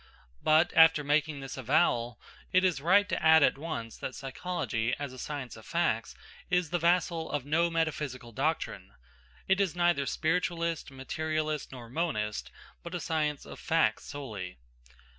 But, after making this avowal, it is right to add at once that psychology, as a science of facts, is the vassal of no metaphysical doctrine. It is neither spiritualist, materialist, nor monist, but a science of facts solely.